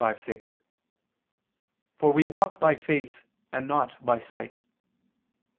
5:6): "For we walk by faith and not by sight."